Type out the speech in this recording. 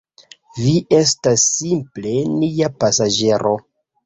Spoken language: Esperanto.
Vi estas simple nia pasaĝero.